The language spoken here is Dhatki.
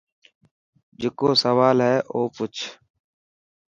جڪو سوال هي او پڇ.